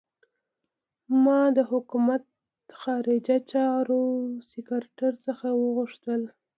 ما د حکومت خارجه چارو سکرټر څخه وغوښتل.